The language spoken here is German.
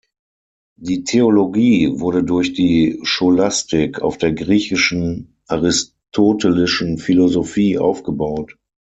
Die Theologie wurde durch die Scholastik auf der griechischen aristotelischen Philosophie aufgebaut.